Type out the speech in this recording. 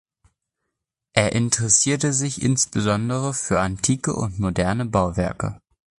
Er interessierte sich insbesondere für antike und moderne Bauwerke.